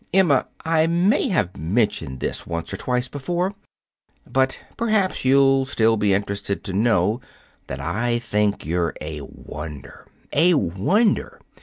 "Emma, I may have mentioned this once or twice before, but perhaps you'll still be interested to know that I think you're a wonder. A wonder!